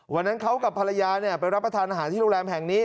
วันนั้นเขากับภรรยาไปรับประทานอาหารที่โรงแรมแห่งนี้